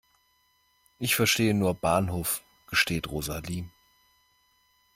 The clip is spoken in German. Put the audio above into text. "Ich verstehe nur Bahnhof", gesteht Rosalie.